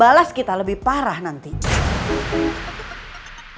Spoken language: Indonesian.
harusnya kamu tuh bisa bermain cantik